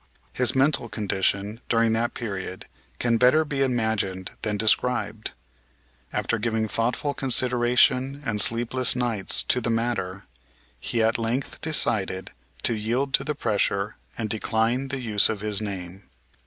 His mental condition during that period can better be imagined than described. After giving thoughtful consideration and sleepless nights to the matter, he at length decided to yield to the pressure and decline the use of his name.